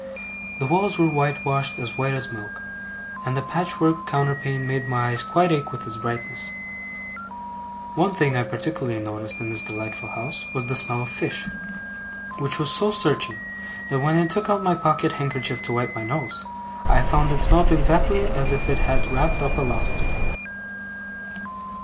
The walls were whitewashed as white as milk, and the patchwork counterpane made my eyes quite ache with its brightness. One thing I particularly noticed in this delightful house, was the smell of fish; which was so searching, that when I took out my pocket handkerchief to wipe my nose, I found it smelt exactly as if it had wrapped up a lobster.